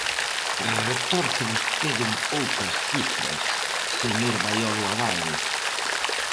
Retorce vostede un pouco as cifras, señor Baiolo Abade.